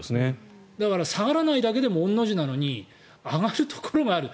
だから下がらないだけでも御の字なのに上がるところがある。